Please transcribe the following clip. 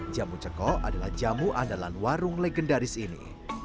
jamu ceko adalah jamu andalan warung legendaris ini